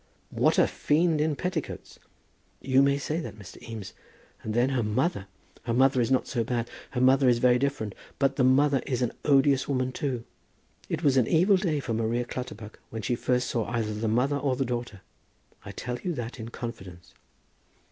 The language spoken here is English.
"What a fiend in petticoats!" "You may say that, Mr. Eames. And then her mother! Her mother is not so bad. Her mother is very different. But the mother is an odious woman, too. It was an evil day for Maria Clutterbuck when she first saw either the mother or the daughter. I tell you that in confidence."